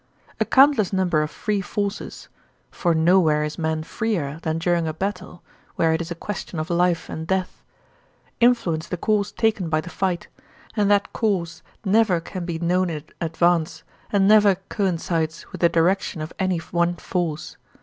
A countless number of free forces (for nowhere is man freer than during a battle, where it is a question of life and death) influence the course taken by the fight, and that course never can be known in advance and never coincides with the direction of any one force.